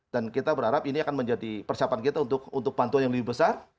kita berharap ini akan menjadi persiapan kita untuk bantuan yang lebih besar